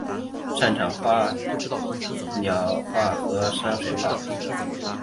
擅长画花鸟画和山水画。